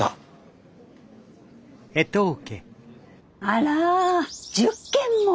あら１０件も？